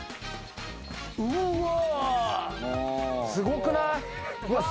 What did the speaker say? すごくない？